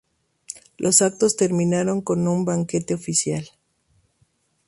Los actos terminaron con un banquete oficial.